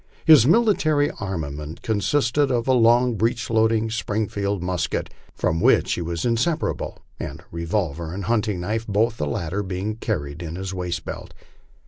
His military armament consisted of a long breech loading Springfield musket, from which he was inseparable, and a revolver and hunting knife, both the latter being carried in his waist belt.